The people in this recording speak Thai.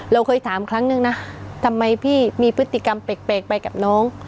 เราเคยถามครั้งนึงนะทำไมพี่มีพฤติกรรมแปลกไปกับน้อง